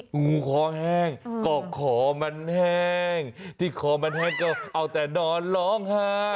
งูคอแห้งก็ขอมันแห้งที่คอมันแห้งก็เอาแต่นอนร้องไห้